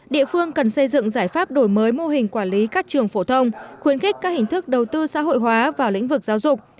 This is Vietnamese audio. địa phương cần xây dựng giải pháp đổi mới mô hình quản lý các trường phổ thông khuyến khích các hình thức đầu tư xã hội hóa vào lĩnh vực giáo dục